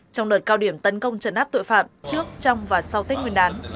trong lợi cao điểm tấn công trần áp tội phạm trước trong và sau tết nguyên đán